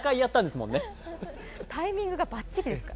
タイミングがばっちり。